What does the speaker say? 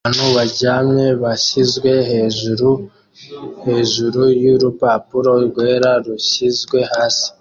abantu baryamye bashyizwe hejuru hejuru yurupapuro rwera rushyizwe hasi